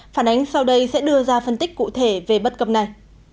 phản ánh sau đây sẽ đưa ra phân tích cụ thể về bất cập này